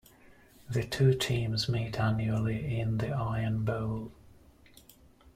The two teams meet annually in the Iron Bowl.